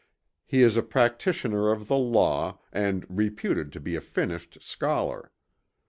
He is a practitioner of the Law, and reputed to be a finished Scholar.